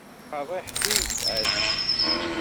Akken qerriḥit i nefɛit.